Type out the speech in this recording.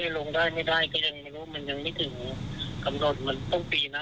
ลงได้ไม่ได้ก็ยังไม่รู้มันยังไม่ถึงกำหนดมันต้องปีนะ